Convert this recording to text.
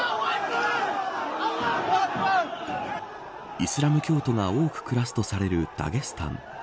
イスラム教徒が多く暮らすとされるダゲスタン。